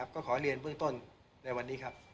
ก็ขอเรียนเบื้องต้นในวันนี้ครับ